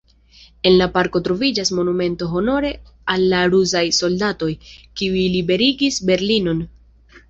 En la parko troviĝas monumento honore al la rusaj soldatoj, kiuj liberigis Berlinon.